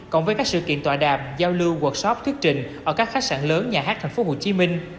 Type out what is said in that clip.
cộng với các sự kiện tọa đàm giao lưu workshop thuyết trình ở các khách sạn lớn nhà hát tp hcm